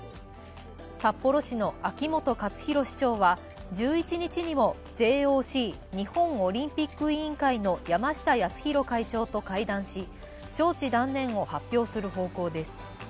札幌市の秋元克広市長は、１１日にもＪＯＣ＝日本オリンピック委員会の山下泰裕会長と会談し招致断念を発表する方向です。